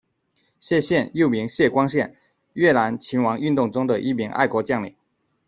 谢现，又名谢光现，越南勤王运动中的一位爱国将领。